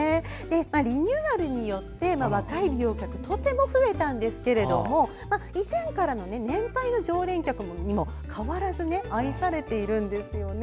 リニューアルによって若い利用客とても増えたんですけど以前からの年配の常連客にも変わらず愛されているんですよね。